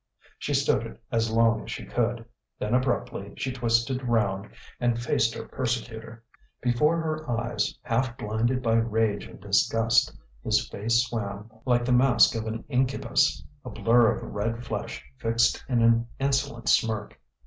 She stood it as long as she could. Then abruptly she twisted round and faced her persecutor. Before her eyes, half blinded by rage and disgust, his face swam like the mask of an incubus a blur of red flesh fixed in an insolent smirk.